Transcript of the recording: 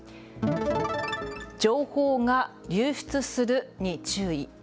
情報が流出するに注意。